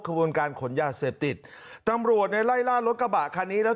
ขบวนการขนยาเสพติดตำรวจในไล่ล่ารถกระบะคันนี้แล้ว